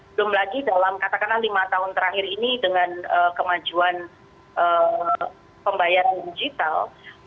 belum lagi dalam katakanlah lima tahun terakhir ini dengan kemajuan pembayaran digital